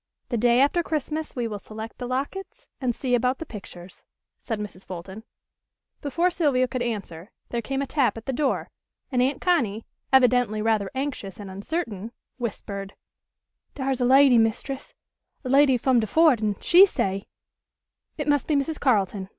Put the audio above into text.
"The day after Christmas we will select the lockets, and see about the pictures," said Mrs. Fulton. Before Sylvia could answer there came a tap at the door, and Aunt Connie, evidently rather anxious and uncertain, whispered: "Dar's a lady, Mistress, a lady f'um de fort, an' she say " "It must be Mrs. Carleton.